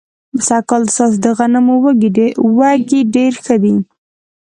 سږ کال ستاسو د غنمو وږي ډېر ښه دي.